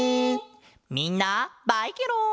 みんなバイケロン！